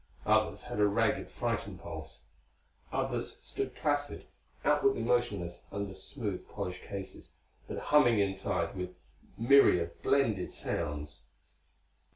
Others had a ragged, frightened pulse; others stood placid, outwardly motionless under smooth, polished cases, but humming inside with a myriad blended sounds.